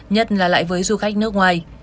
nhất là lại với du khách nước ngoài